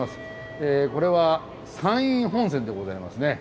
これは山陰本線でございますね。